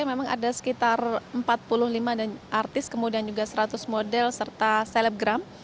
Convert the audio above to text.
memang ada sekitar empat puluh lima artis kemudian juga seratus model serta selebgram yang masuk pada daftar pelanggan atau daftar daftar